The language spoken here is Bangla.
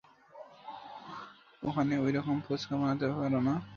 এখানে ওইরকম ফুচকা বানাতে পারে না।